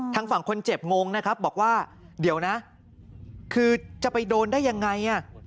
ทางฝั่งคนเจ็บงงนะครับบอกว่าเดี๋ยวนะคือจะไปโดนได้ยังไง